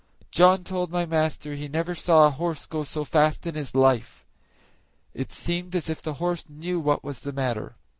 John told my master he never saw a horse go so fast in his life. It seemed as if the horse knew what was the matter.